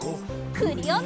クリオネ！